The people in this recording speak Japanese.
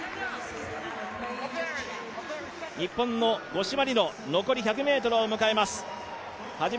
日本の五島莉乃、残り１００ｍを迎えます。